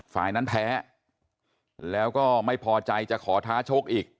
ฝ่ายนั้นแพ้แล้วก็ไม่พอใจจะขอท้าชกอีก